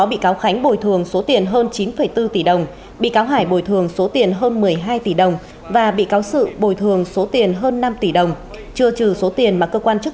bị phạt hai mươi hai năm tù giam về hai tội tham ô tài sản và đánh bạc